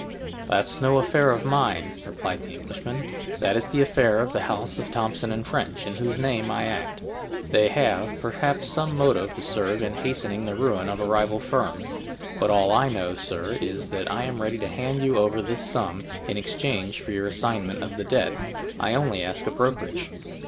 "That's no affair of mine," replied the Englishman, "that is the affair of the house of Thomson & French, in whose name I act. They have, perhaps, some motive to serve in hastening the ruin of a rival firm. But all I know, sir, is, that I am ready to hand you over this sum in exchange for your assignment of the debt. I only ask a brokerage."